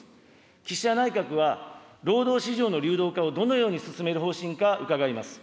岸田内閣は、労働市場の流動化をどのように進める方針か、伺います。